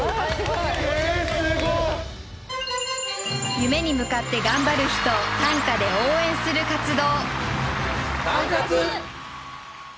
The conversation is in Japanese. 夢に向かって頑張る人を短歌で応援する活動。